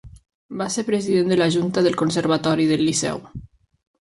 Va ser president de la Junta del Conservatori del Liceu.